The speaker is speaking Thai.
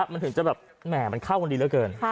มันถึงจะแบบแหม่มันเข้ากันดีเหลือเกิน